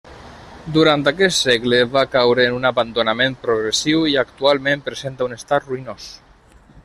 Durant aquest segle va caure en un abandonament progressiu i actualment presenta un estat ruïnós.